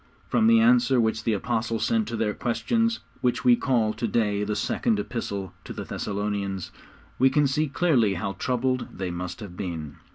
From the answer which the Apostle sent to their questions which we call to day the Second Epistle to the Thessalonians we can see clearly how troubled they must have been.